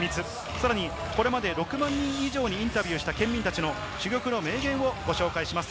さらにこれまで６万人以上にインタビューしたケンミンたちの珠玉の名言をご紹介します。